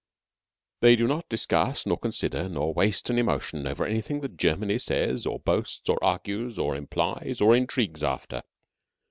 They do not discuss, nor consider, nor waste an emotion over anything that Germany says or boasts or argues or implies or intrigues after.